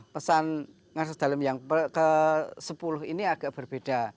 pesan ngasar dalem yang ke sepuluh ini agak berbeda